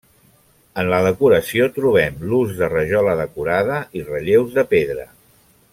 En la decoració trobem l'ús de rajola decorada i relleus de pedra.